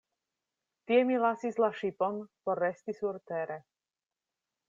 Tie mi lasis la ŝipon, por resti surtere.